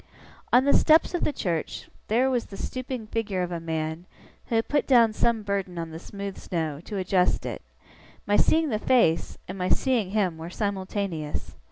On the steps of the church, there was the stooping figure of a man, who had put down some burden on the smooth snow, to adjust it; my seeing the face, and my seeing him, were simultaneous.